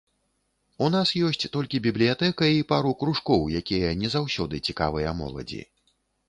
У нас ёсць толькі бібліятэка і пару кружкоў, якія не заўсёды цікавыя моладзі.